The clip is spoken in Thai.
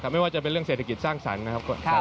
ไม่ว่าจะเป็นเรื่องเศรษฐกิจสร้างสรรค์นะครับ